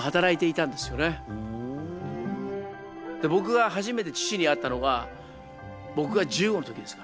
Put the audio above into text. で僕が初めて父に会ったのが僕が１５の時ですから。